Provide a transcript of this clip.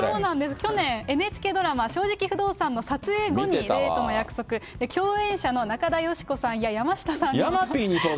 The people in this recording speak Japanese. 去年、ＮＨＫドラマ、正直不動産の撮影後にデートの約束、共演者の中田喜子さんや山下さんに相談。